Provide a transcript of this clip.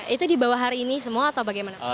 itu dibawa hari ini semua atau bagaimana